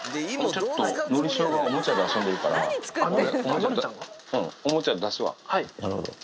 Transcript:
ちょっと、のりしおがおもちゃで遊んでるから、おもちゃ出すわ。